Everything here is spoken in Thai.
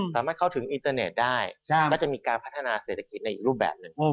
สามารถเข้าถึงอินเตอร์เน็ตได้ก็จะมีการพัฒนาเศรษฐกิจในอีกรูปแบบหนึ่ง